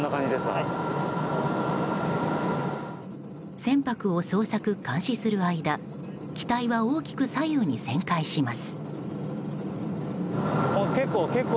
船舶を捜索・監視する間機体は大きく左右に旋回します。